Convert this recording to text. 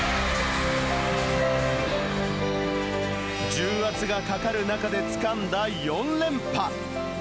重圧がかかる中でつかんだ４連覇。